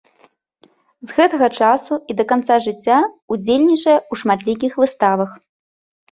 З гэтага часу і да канца жыцця ўдзельнічае ў шматлікіх выставах.